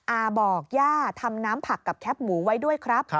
อาบอกย่าทำน้ำผักกับแคปหมูไว้ด้วยครับ